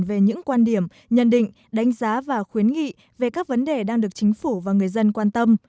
về những quan điểm nhận định đánh giá và khuyến nghị về các vấn đề đang được chính phủ và người dân quan tâm